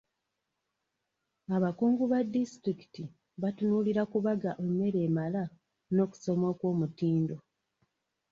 Abakungu ba disitulikiti batunuulira kubaga emmere emala n'okusoma okw'omutindo.